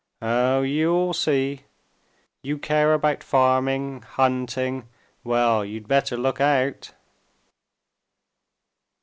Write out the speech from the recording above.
"Oh, you'll see! You care about farming, hunting,—well, you'd better look out!"